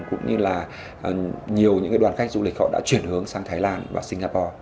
cũng như là nhiều những đoàn khách du lịch họ đã chuyển hướng sang thái lan và singapore